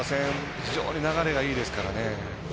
非常に流れがいいですからね。